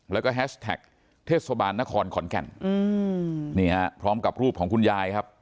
แล้วก็แฮชแท็กเทศบาลนครขอนแก่นอืมนี่ฮะพร้อมกับรูปของคุณยายครับ